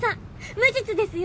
無実ですよ！